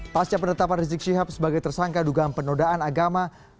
pasca penetapan rizik syihab sebagai tersangka dugaan penodaan agama